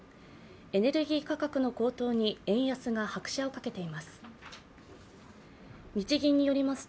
エネルギー価格の高騰に円安が拍車をかけています。